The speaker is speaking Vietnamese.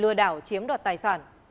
lừa đảo chiếm đoạt tài sản